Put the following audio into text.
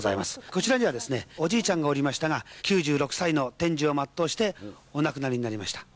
こちらにはですね、おじいちゃんがおりましたが、９６歳の天寿を全うして、お亡くなりになりました。